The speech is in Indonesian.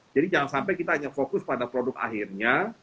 jadi jangan sampai kita hanya fokus pada produk akhirnya